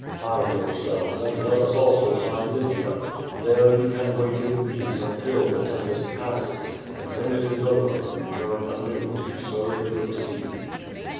Hide yourselves, and let us also hide Lygia. There ye can wait in peace until the tempest passes, and \(^en it is over, return anew to sow the good seed.''